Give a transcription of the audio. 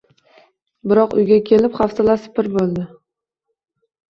Biroq uyga kelib hafsalasi pir boʻldi